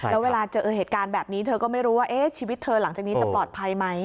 แล้วเวลาเจอเหตุการณ์แบบนี้เธอก็ไม่รู้ว่าชีวิตเธอหลังจากนี้จะปลอดภัยไหม